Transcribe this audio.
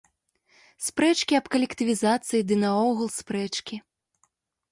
Спрэчкі аб калектывізацыі ды наогул спрэчкі.